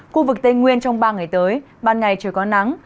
khu vực tây nguyên trong ba ngày tới ban ngày trời có nắng